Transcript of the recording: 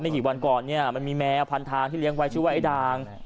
กี่วันก่อนเนี่ยมันมีแมวพันทางที่เลี้ยงไว้ชื่อว่าไอ้ดาง